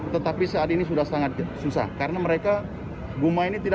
tetapi saat ini sudah sangat susah karena mereka